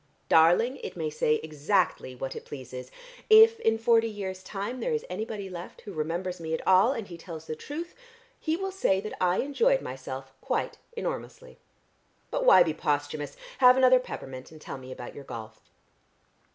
"Darling, it may say exactly what it pleases. If in forty years' time there is anybody left who remembers me at all, and he tells the truth, he will say that I enjoyed myself quite enormously. But why be posthumous? Have another peppermint and tell me about your golf."